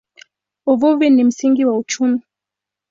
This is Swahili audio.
Uvuvi ni msingi wa uchumi.